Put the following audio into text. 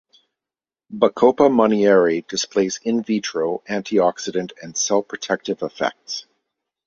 "Bacopa monnieri" displays "in vitro" antioxidant and cell-protective effects.